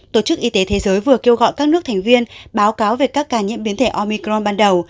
tổ chức y tế thế giới vừa kêu gọi các nước thành viên báo cáo về các ca nhiễm biến thể omicron ban đầu